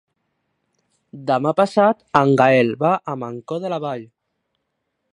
Demà passat en Gaël va a Mancor de la Vall.